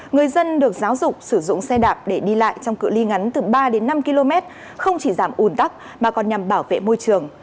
người dân được giáo dục sử dụng xe đạp để đi lại trong cự li ngắn từ ba đến năm km không chỉ giảm ủn tắc mà còn nhằm bảo vệ môi trường